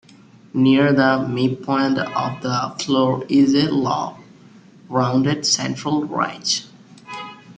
Near the midpoint of the floor is a low, rounded central ridge.